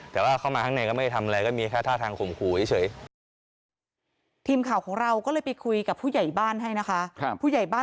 แต่เขามาข้างในก็ไม่ได้ทำอะไร